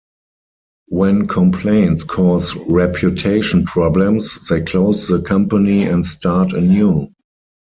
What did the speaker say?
When complaints cause reputation problems they close the company and start anew.